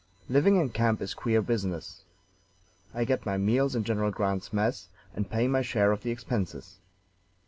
"Living in camp is queer business. I get my meals in General Grant's mess, and pay my share of the expenses.